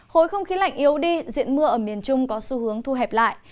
khối không khí lạnh yếu đi diện mưa ở miền trung có xu hướng thu hẹp lại